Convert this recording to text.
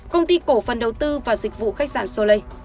công ty cổ phần đầu tư và dịch vụ khách sạn solei